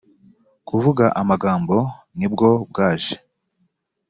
kuvuga amagambo ni bwo bwaje